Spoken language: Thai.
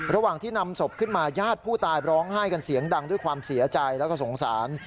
ระหว่างที่นำศพขึ้นมาญาติผู้ตายร้องไห้กันเสียงดังด้วยความเสียใจแล้วก็สงสาร